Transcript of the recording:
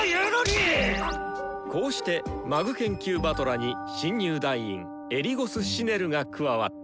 こうして魔具研究師団に新入団員エリゴス・シネルが加わった。